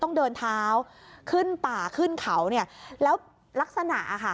ต้องเดินเท้าขึ้นป่าขึ้นเขาเนี่ยแล้วลักษณะค่ะ